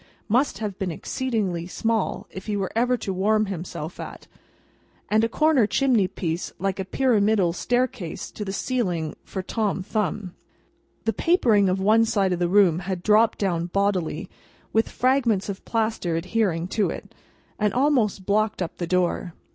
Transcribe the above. must have been exceedingly small if he were ever able to warm himself at, and a corner chimney piece like a pyramidal staircase to the ceiling for Tom Thumb. The papering of one side of the room had dropped down bodily, with fragments of plaster adhering to it, and almost blocked up the door.